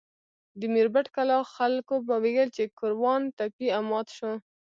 د میربت کلا خلکو به ویل چې ګوروان ټپي او مات شو.